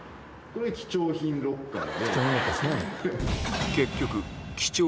これ貴重品ロッカー。